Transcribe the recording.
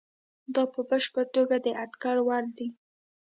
دا په بشپړه توګه د اټکل وړ دي.